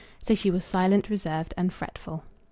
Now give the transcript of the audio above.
So she was silent, reserved, and fretful.